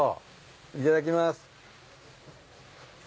いただきます。